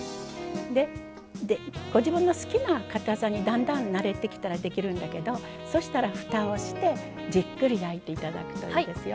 でご自分の好きなかたさにだんだん慣れてきたらできるんだけどそしたらふたをしてじっくり焼いて頂くといいですよ。